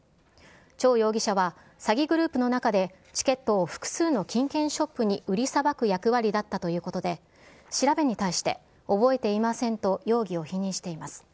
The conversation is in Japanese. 張容疑者は詐欺グループの中で、チケットを複数の金券ショップに売りさばく役割だったということで、調べに対して、覚えていませんと容疑を否認しています。